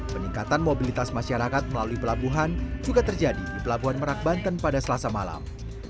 peningkatan mobilitas masyarakat melalui pelabuhan juga terjadi di pelabuhan merak banten pada selasa malam